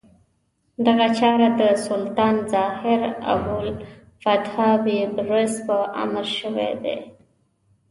دغه چارې د سلطان الظاهر ابوالفتح بیبرس په امر شوې دي.